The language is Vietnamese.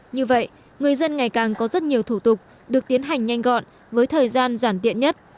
như vậy người dân ngày càng có rất nhiều thủ tục được tiến hành nhanh gọn với thời gian giản tiện nhất